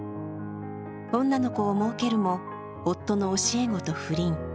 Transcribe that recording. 女の子をもうけるも、夫の教え子と不倫。